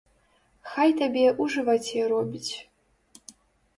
Хай табе ў жываце робіць!